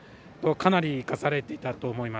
かなり生かされていたと思います。